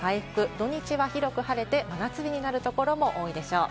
土日は広く晴れて真夏日になるところも多いでしょう。